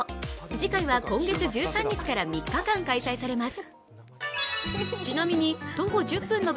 次回は今月１３日から３日間開催されます。